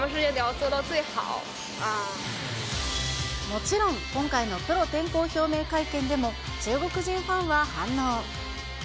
もちろん、今回のプロ転向表明会見でも、中国人ファンは反応。